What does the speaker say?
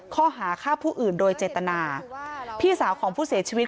ข้อหาฆ่าผู้อื่นโดยเจตนาพี่สาวของผู้เสียชีวิต